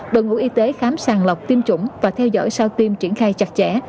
bộ ngũ y tế khám sàng lọc tiêm chủng và theo dõi sao tiêm triển khai chặt chẽ